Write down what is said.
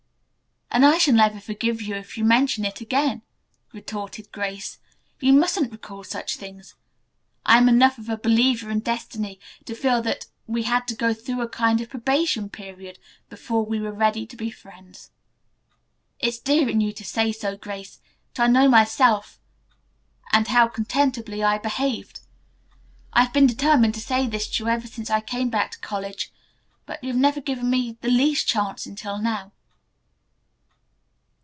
"And I shall never forgive you if you mention it again," retorted Grace. "You mustn't recall such things. I am enough of a believer in destiny to feel that we had to go through a kind of probation period before we were ready to be friends." "It's dear in you to say so, Grace, but I know myself, and how contemptibly I behaved. I've been determined to say this to you ever since I came back to college, but you have never given me the least chance until now."